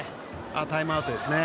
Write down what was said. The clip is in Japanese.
タイムアウトですね。